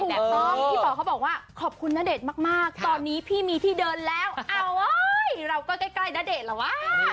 พี่ปอบเขาบอกว่าขอบคุณณเดชน์มากตอนนี้พี่มีที่เดินแล้วอ้าวเว้ยเราก็ใกล้ณเดชน์เหรอวะ